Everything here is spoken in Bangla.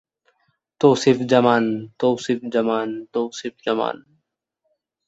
রাও-মাঙ্গাম্মা দম্পতির সন্তান না হবার দরুন তারা অনেকদিন ধরে বহু ডাক্তারের পরামর্শ গ্রহণ করেন।